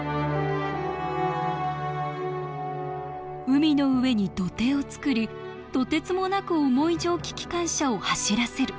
海の上に土手を造りとてつもなく重い蒸気機関車を走らせる。